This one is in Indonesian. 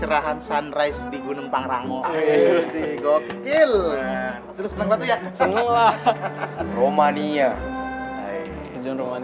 eh bangkuan men